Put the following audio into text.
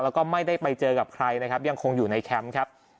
แล้วก็ไม่ได้ไปเจอกับใครนะครับยังคงอยู่ในแคมป์ครับ